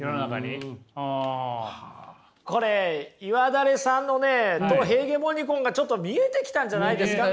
これ岩垂さんのねト・ヘーゲモニコンがちょっと見えてきたんじゃないですか？